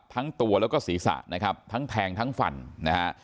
ทั้งตัวแล้วก็ศีรษะนะครับทั้งแทงทั้งฟันนะฮะ